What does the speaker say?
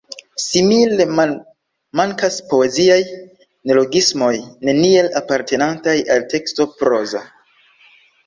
Simile malmankas poeziaj neologismoj, neniel apartenantaj al teksto proza.